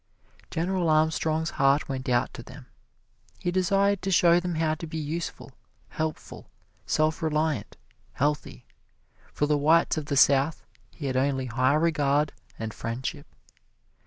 General Armstrong's heart went out to them he desired to show them how to be useful, helpful, self reliant, healthy. For the whites of the South he had only high regard and friendship.